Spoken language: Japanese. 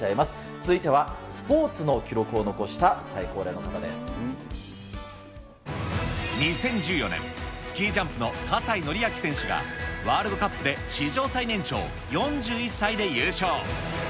続いては、スポーツの記録を残し２０１４年、スキージャンプの葛西紀明選手がワールドカップで史上最年長、４１歳で優勝。